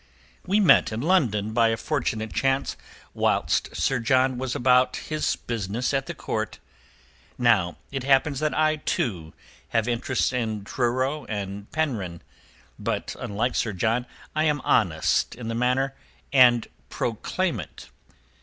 We met in London by a fortunate chance whilst Sir John was about this business at the Court. Now it happens that I, too, have interests in Truro and Penryn; but, unlike Sir John, I am honest in the matter, and proclaim it.